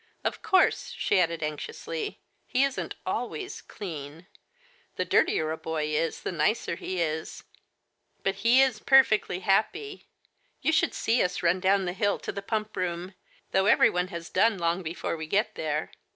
Of course, she added anxiously, " he isn*t always clean — the dirtier a boy is, the nicer he is — but he is perfectly happy! You should see us run down the hill to the Pump room, though everyone has done long before we get there